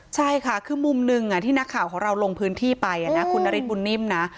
ใช่ค่ะคือมุมหนึ่งที่นักข่าวของเราลงพื้นที่ไปนะคุณนฤทธบุญนิ่มนะ